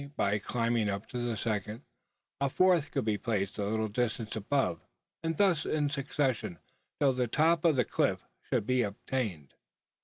By climbing up to the second, a fourth could be placed at a little distance above; and thus in succession, till the top of the cliff should be attained.